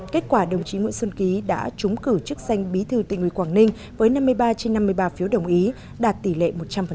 kết quả đồng chí nguyễn xuân ký đã trúng cử chức danh bí thư tỉnh ủy quảng ninh với năm mươi ba trên năm mươi ba phiếu đồng ý đạt tỷ lệ một trăm linh